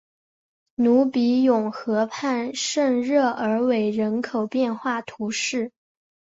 鲁比永河畔圣热尔韦人口变化图示